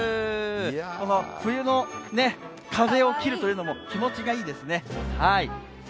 冬の風を切るというのも気持ちがいいですね。